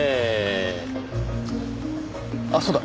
あっそうだ。